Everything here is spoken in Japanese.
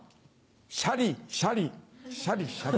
シャリシャリシャリシャリ。